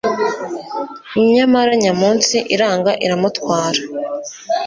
nyamara nyamunsi iranga iramutwara